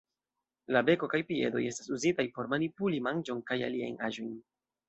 La beko kaj piedoj estas uzitaj por manipuli manĝon kaj aliajn aĵojn.